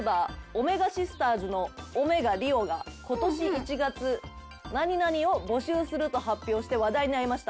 おめがシスターズのおめがリオが今年１月「何々を募集する」と発表して話題になりました。